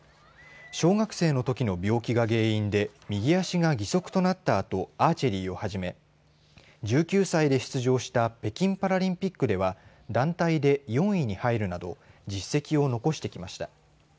小学生のときの病気が原因で右足が義足となったあとアーチェリーを始め１９歳で出場した北京パラリンピックでは団体で４位に入るなど実績を残してきました。